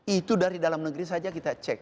itu dari dalam negeri saja kita cek